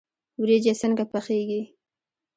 وریجې څنګه پخیږي؟